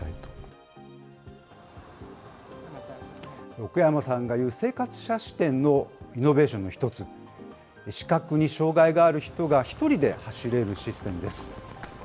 奥山さんがいう生活者視点のイノベーションの１つ、視覚に障害がある人が１人で走れるシステムです。